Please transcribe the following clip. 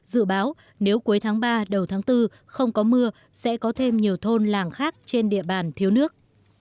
dự báo nếu cuối tháng ba đầu tháng bốn không có mưa sẽ có thêm nhiều thôn làng khác trên địa bàn thiếu nước